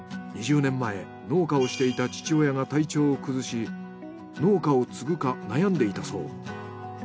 ２０年前農家をしていた父親が体調を崩し農家を継ぐか悩んでいたそう。